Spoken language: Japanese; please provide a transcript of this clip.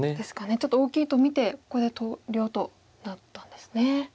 ちょっと大きいと見てここで投了となったんですね。